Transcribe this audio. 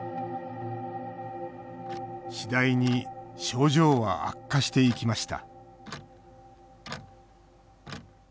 次第に症状は悪化していきました